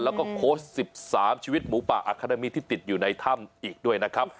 แล้วก็โค้ช๑๓ชีวิตหมูป่าอาคาดามีที่ติดอยู่ในถ้ำอีกด้วยนะครับ